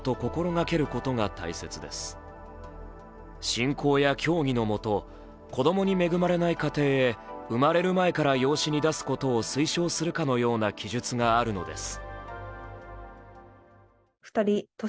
信仰や教義のもと、子どもに恵まれない家庭へ生まれる前から養子に出すことを推奨するかのような記述があるのです。